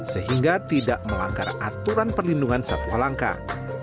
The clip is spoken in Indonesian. sehingga tidak melanggar aturan perlindungan satwa langkah